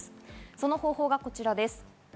その方法がこちらです。